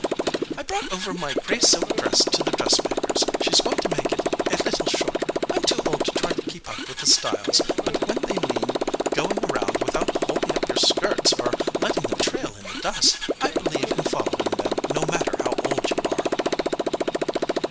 "I brought over my gray silk dress to the dress maker s. She s going to make it a little shorter. I m too old to try to keep up with the styles, but when they mean going around without holding up your skirts, or letting them trail in the dust, I be lieve in following them no matter how old you are."